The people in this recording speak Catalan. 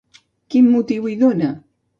Quin motiu hi dona?